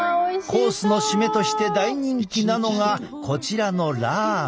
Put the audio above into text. コースの締めとして大人気なのがこちらのラーメン。